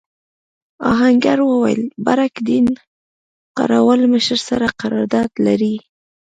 آهنګر وویل بارک دین قراوول مشر سره قرارداد لري.